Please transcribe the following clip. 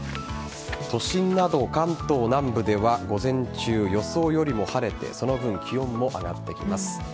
都心など関東南部では午前中、予想よりも晴れてその分、気温も上がってきます。